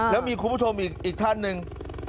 แล้วมีคุณผู้ชมอีกท่านหนึ่ง